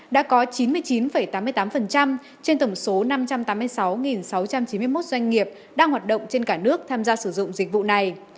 đã có chín mươi chín tám mươi tám trên tổng số năm trăm tám mươi sáu sáu trăm chín mươi một doanh nghiệp đang hoạt động trên cả nước tham gia sử dụng dịch vụ này